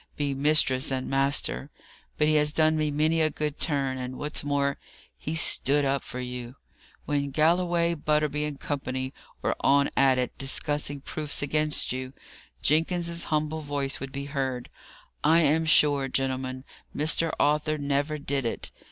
be mistress and master, but he has done me many a good turn: and, what's more, he stood up for you. When Galloway, Butterby, and Co. were on at it, discussing proofs against you, Jenkins's humble voice would be heard, 'I am sure, gentlemen, Mr. Arthur never did it!